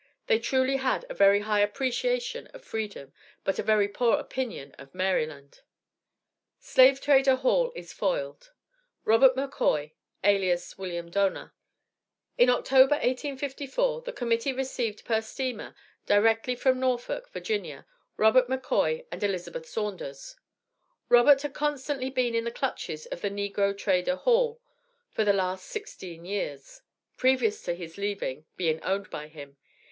They truly had a very high appreciation of freedom, but a very poor opinion of Maryland. SLAVE TRADER HALL IS FOILED. ROBERT McCOY alias WILLIAM DONAR. In October, 1854, the Committee received per steamer, directly from Norfolk, Va., Robert McCoy and Elizabeth Saunders. Robert had constantly been in the clutches of the negro trader Hall, for the last sixteen years, previous to his leaving, being owned by him.